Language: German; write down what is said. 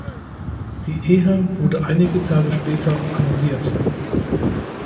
Die Ehe wurde einige Tage später annulliert.